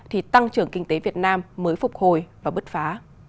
thì tăng trưởng kinh tế việt nam mới phục hồi và bứt phá